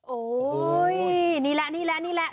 โอ้ยนี่แหละนี่แหละนี่แหละ